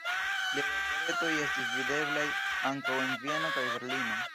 Liaj operetoj estis videblaj ankaŭ en Vieno kaj Berlino.